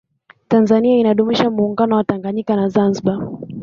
tanzania inaadhimisha muungano wa tanganyika na zanzibar